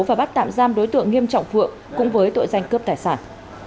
và bắt tạm giam đối tượng nghiêm trọng phượng cũng với tội danh cướp tài sản